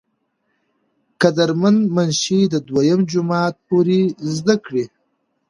قدر مند منشي د دويم جمات پورې زدکړې